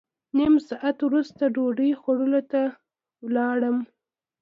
نیم ساعت وروسته ډوډۍ خوړلو ته لاړم.